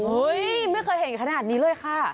ไม่เคยเห็นขนาดนี้เลยค่ะ